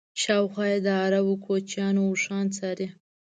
شاوخوا یې د عرب کوچیانو اوښان څري.